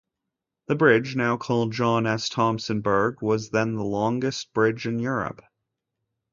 The bridge, now called John S. Thompsonbrug, was then the longest bridge in Europe.